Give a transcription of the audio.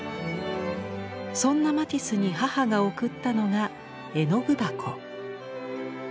そんなマティスに母が贈ったのが絵の具箱。